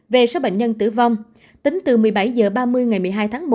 về số bệnh nhân tử vong tính từ một mươi bảy h ba mươi ngày một mươi hai tháng một